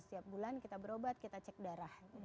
setiap bulan kita berobat kita cek darah